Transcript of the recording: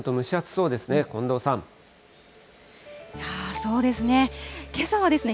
そうですね。